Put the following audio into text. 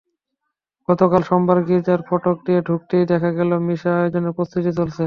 গতকাল সোমবার গির্জার ফটক দিয়ে ঢুকতেই দেখা গেল, মিশা আয়োজনের প্রস্তুতি চলছে।